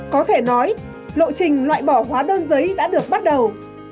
có thể nói lộ trình loại bỏ hóa đơn giấy đã được bắt đầu